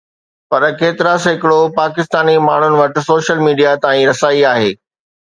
پر ڪيترا سيڪڙو پاڪستاني ماڻهن وٽ سوشل ميڊيا تائين رسائي آهي؟